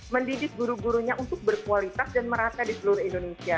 mendidik guru gurunya untuk berkualitas dan merata di seluruh indonesia